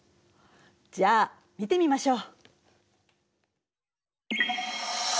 じゃあ見てみましょう。